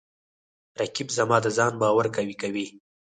رقیب زما د ځان باور قوی کوي